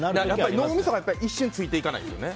脳みそが一瞬ついていかないですよね。